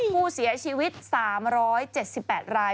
ผู้เสียชีวิต๓๗๘ราย